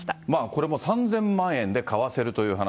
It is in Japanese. これも３０００万円で買わせるという話。